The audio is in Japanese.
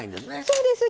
そうです